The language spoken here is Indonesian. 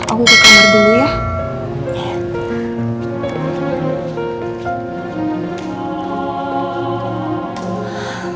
aku ke kamar dulu ya